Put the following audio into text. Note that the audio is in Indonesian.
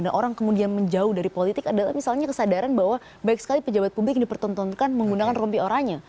dan orang kemudian menjauh dari politik adalah misalnya kesadaran bahwa baik sekali pejabat publik ini dipertontonkan menggunakan rumpi orangnya